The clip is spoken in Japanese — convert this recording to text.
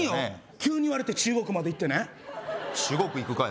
急に言われて中国まで行ってね中国行くかい？